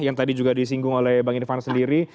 yang tadi juga disinggung oleh bang irfan sendiri